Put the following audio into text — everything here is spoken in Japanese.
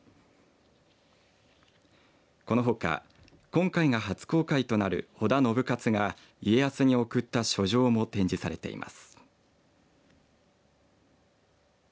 このほか今回が初公開となる織田信雄が家康に贈った書状も展示されています。